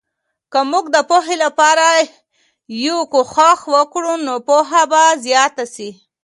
که موږ د پوهې لپاره یې کوښښ وکړو، نو پوهه به زیاته سي.